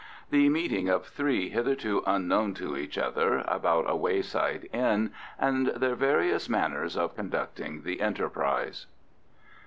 The meeting of three, hitherto unknown to each other, about a wayside inn, and their various manners of conducting the enterprise.